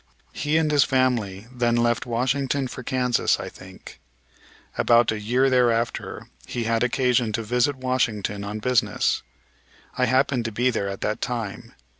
He and his family then left Washington for Kansas, I think. About a year thereafter he had occasion to visit Washington on business. I happened to be there at that time.